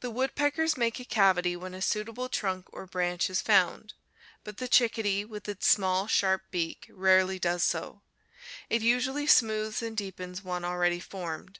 The woodpeckers make a cavity when a suitable trunk or branch is found, but the chickadee, with its small, sharp beak, rarely does so; it usually smooths and deepens one already formed.